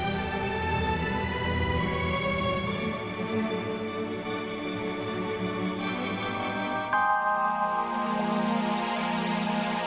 kalau tidak kena insaf nanti kita beda sahur